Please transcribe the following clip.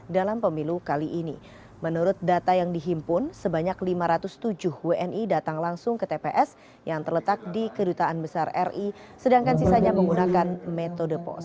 dalam pemilu kali ini menurut data yang dihimpun sebanyak lima ratus tujuh wni datang langsung ke tps yang terletak di kedutaan besar ri sedangkan sisanya menggunakan metode pos